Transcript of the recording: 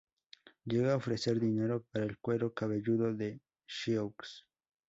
Llegó a ofrecer dinero para el cuero cabelludo de sioux.